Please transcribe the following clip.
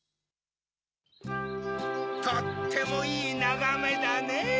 とってもいいながめだねぇ。